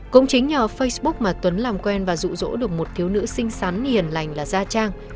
cũng chính nhờ facebook mà tuấn làm quen và rụ rỗ được một thiếu nữ xinh xắn hiền lành là gia trang